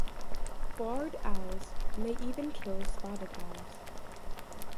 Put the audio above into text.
Barred owls may even kill spotted owls.